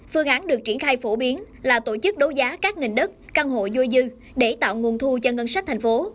phương án được triển khai phổ biến là tổ chức đấu giá các nền đất căn hộ vô dư để tạo nguồn thu cho ngân sách thành phố